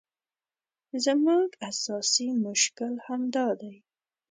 زموږ اساسي مشکل همدا دی.